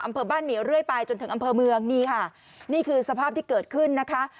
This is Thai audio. อำเภอบ้านหมีเรื่อยไปจนถึงอำเภอเมืองนี่ค่ะนี่คือสภาพที่เกิดขึ้นนะคะ